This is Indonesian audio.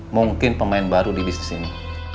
mungkin pemain baru di bisnis ini